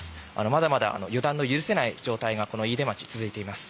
まだまだ予断の許さない状況がこの飯豊町、続いています。